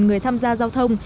người tham gia giao thông